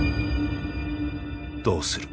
どうする？